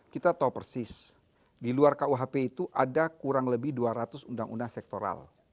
kita tahu persis di luar kuhp itu ada kurang lebih dua ratus undang undang sektoral